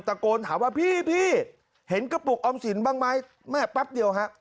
โกนถามว่าพี่เห็นกระปุกออมสินบ้างไหมแม่แป๊บเดียวฮะ